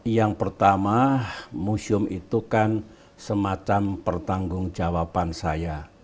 yang pertama museum itu kan semacam pertanggung jawaban saya